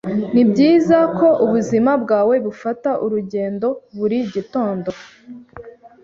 Nibyiza ko ubuzima bwawe bufata urugendo buri gitondo.